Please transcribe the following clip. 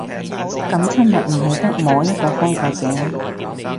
噉親密唔係得摸一個方法嘅